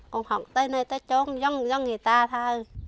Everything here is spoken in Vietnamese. cũng học tới nơi tới chỗ giống người ta thôi